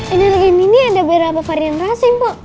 energen ini ada berapa varian rasa mbak